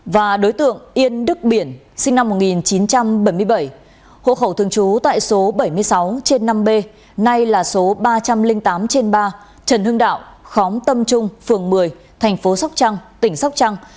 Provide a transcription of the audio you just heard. và đối tượng yên đức biển sinh năm một nghìn chín trăm bảy mươi bảy hộ khẩu thường trú tại số bảy mươi sáu trên năm b nay là số ba trăm linh tám trên ba trần hưng đạo khóm tâm trung phường một mươi thành phố sóc trăng tỉnh sóc trăng